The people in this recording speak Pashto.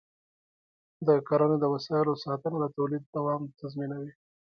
د کرنې د وسایلو ساتنه د تولید دوام تضمینوي.